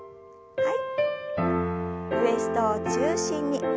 はい。